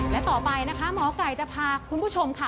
และต่อไปนะคะหมอไก่จะพาคุณผู้ชมค่ะ